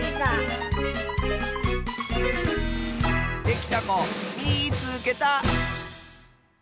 できたこみいつけた！